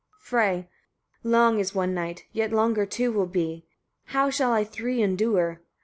Frey. 42. Long is one night, yet longer two will be; how shall I three endure.